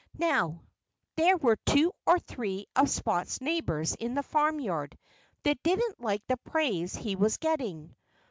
Now, there were two or three of Spot's neighbors in the farmyard that didn't like the praise he was getting.